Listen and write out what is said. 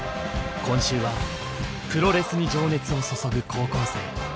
今週はプロレスに情熱を注ぐ高校生。